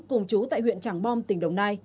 cùng chú tại huyện trảng bom tỉnh đồng nai